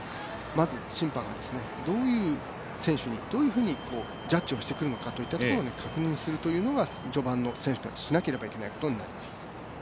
まず審判がどういう選手にジャッジをしていくのかというところを確認するというのが序盤に選手がしなくてはいけないことになります。